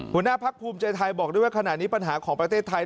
หัวหน้าพักภูมิใจไทยบอกด้วยว่าขณะนี้ปัญหาของประเทศไทย